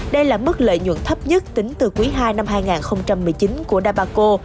đây là mức lợi nhuận thấp nhất tính từ quý ii năm hai nghìn một mươi chín của dabaco